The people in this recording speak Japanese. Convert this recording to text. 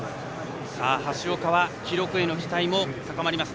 橋岡は記録への期待も高まります。